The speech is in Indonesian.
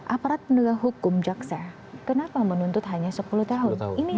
aparat penegak hukum jaksa kenapa menuntut hanya sepuluh tahun